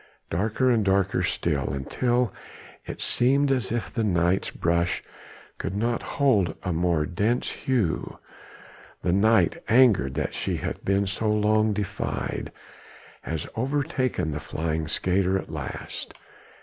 Darker and darker still, until it seemed as if the night's brush could not hold a more dense hue. The night angered that she hath been so long defied has overtaken the flying skater at last.